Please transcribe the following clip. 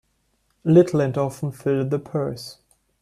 Little and often fill the purse.